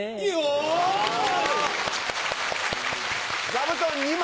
座布団２枚！